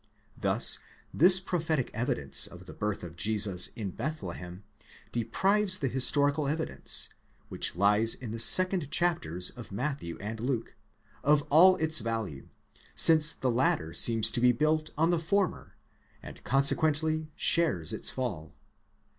'Thus this prophetic evidence of the birth of Jesus in Bethlehem, deprives the historical evidence, which lies in the 2nd chapters of Matthew and Luke, of its value, since the latter seems to be built on the former, and consequently shares its fall.